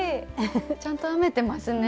ちゃんと編めてますね。